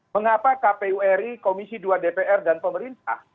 mengapa kpuri komisi dua dpr dan pemerintah